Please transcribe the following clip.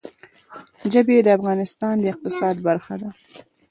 ژبې د افغانستان د اقتصاد برخه ده.